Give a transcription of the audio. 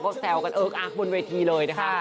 ก็แซวกันอักอักบนเวทีเลยนะคะ